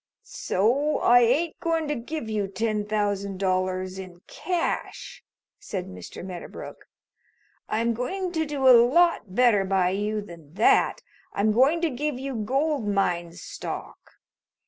"So I ain't going to give you ten thousand dollars in cash," said Mr. Medderbrook. "I'm going to do a lot better by you than that. I'm going to give you gold mine stock.